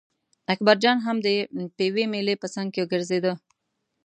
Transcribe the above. اکبرجان هم د پېوې مېلې په څنګ کې ګرځېده.